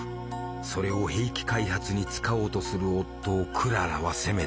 それを兵器開発に使おうとする夫をクララは責めた。